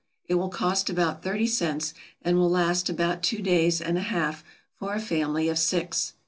It will cost about thirty cents, and will last about two days and a half for a family of six.